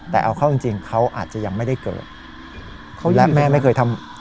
แต่เอาเข้าจริงจริงเขาอาจจะยังไม่ได้เกิดและแม่ไม่เคยทำ